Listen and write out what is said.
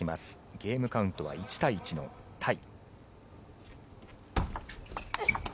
ゲームカウントは１対１のタイ。